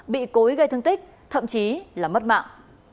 bị cối gây thương tích thậm chí là mất mạng